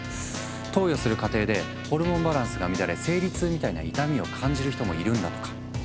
投与する過程でホルモンバランスが乱れ生理痛みたいな痛みを感じる人もいるんだとか。